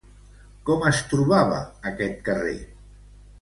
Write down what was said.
Com es trobava aquest carrer?